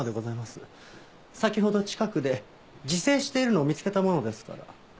先ほど近くで自生しているのを見つけたものですから。